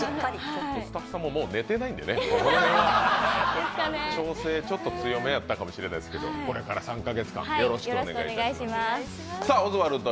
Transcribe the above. スタッフさんも寝てないんでね、調整ちょっと強めだったかもしれないですけどこれから３か月間よろしくお願いします。